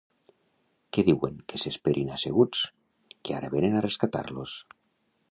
Que diuen que s'esperin asseguts, que ara vénen a rescatar-los.